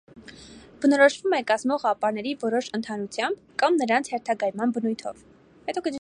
Բնորոշվում է կազմող ապարների որոշ ընդհանրությամբ կամ նրանց հերթագայման բնույթով։